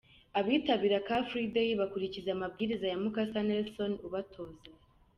Abitabira Car Free bakurikiza amabwiriza ya Mukasa Nelson uba abatoza.